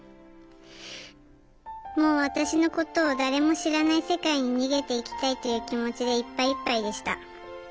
もう私のことを誰も知らない世界に逃げていきたいっていう気持ちでいっぱいいっぱいでした。